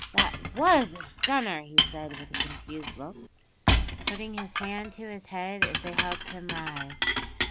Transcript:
"That was a stunner!" he said, with a confused look, putting his hand to his head, as they helped him to rise.